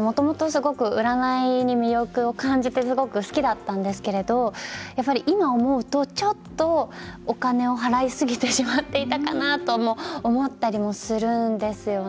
もともと占いに魅力を感じてすごく好きだったんですけど今、思うとちょっと、お金を払いすぎてしまっていたかなとも思ったりもするんですよね。